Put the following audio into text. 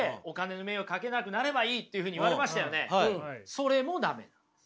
それも駄目なんです。